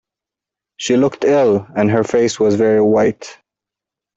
She looked ill, and her face was very white.